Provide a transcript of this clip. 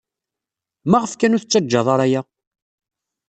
Maɣef kan ur tettaǧǧad ara aya?